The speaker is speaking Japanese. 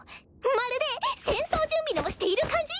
まるで戦争準備でもしている感じ？